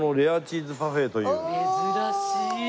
珍しい！